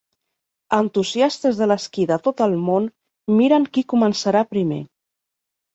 Entusiastes de l'esquí de tot el món miren qui començarà primer.